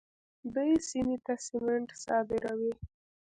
دوی سیمې ته سمنټ صادروي.